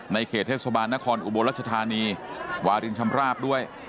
เขตเทศบาลนครอุบลรัชธานีวารินชำราบด้วย